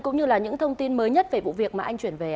cũng như là những thông tin mới nhất về vụ việc mà anh chuyển về